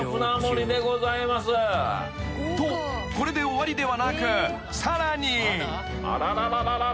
［とこれで終わりではなくさらに］あららら。